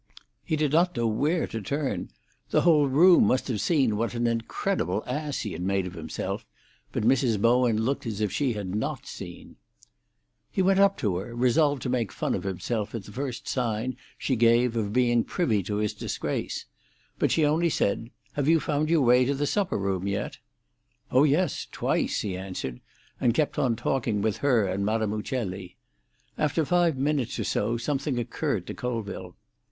He did not know where to turn; the whole room must have seen what an incredible ass he had made of himself, but Mrs. Bowen looked as if she had not seen. He went up to her, resolved to make fun of himself at the first sign she gave of being privy to his disgrace. But she only said, "Have you found your way to the supper room yet?" "Oh yes; twice," he answered, and kept on talking with her and Madame Uccelli. After five minutes or so something occurred to Colville.